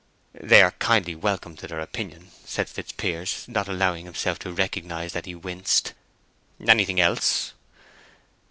"They are kindly welcome to their opinion," said Fitzpiers, not allowing himself to recognize that he winced. "Anything else?"